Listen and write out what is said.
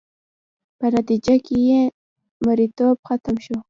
په نتیجه کې یې مریتوب ختم شو